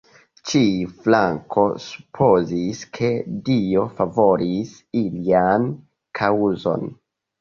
Ĉiu flanko supozis, ke Dio favoris ilian kaŭzon.